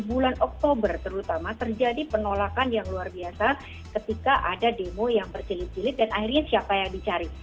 bulan oktober terutama terjadi penolakan yang luar biasa ketika ada demo yang berjilid jilid dan akhirnya siapa yang dicari